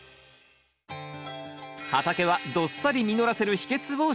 畑はどっさり実らせる秘けつを紹介！